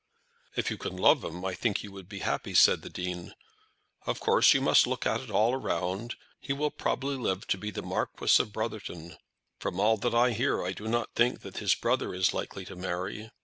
"If you can love him I think you would be happy," said the Dean. "Of course you must look at it all round. He will probably live to be the Marquis of Brotherton. From all that I hear I do not think that his brother is likely to marry.